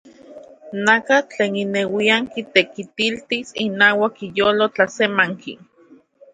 Nakatl tlen ineuian kitekilis inauak iyolo tlasemanki.